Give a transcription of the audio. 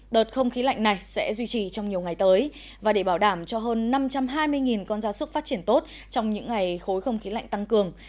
đợt không khí lạnh này sẽ duy trì trong nhiều ngày tới và để bảo đảm cho hơn năm trăm hai mươi con gia súc phát triển tốt trong những ngày khối không khí lạnh tăng cường